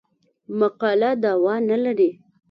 مقاله دعوا نه لري.